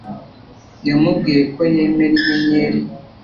Yamubwiye ko yemera inyenyeri